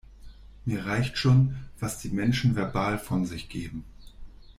Mir reicht schon, was die Menschen verbal von sich geben.